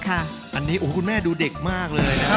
อันนี้คุณแม่ดูเด็กมากเลยนะครับ